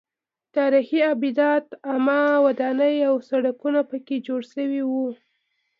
تاریخي ابدات عامه ودانۍ او سړکونه پکې جوړ شوي وو.